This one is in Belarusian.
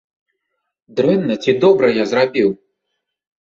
Дрэнна ці добра я зрабіў?